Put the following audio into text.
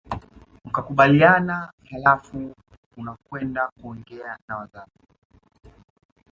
Mkakubaliana halafu unakwenda kuongea na wazazi